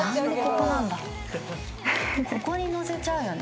ここにのせちゃうよね。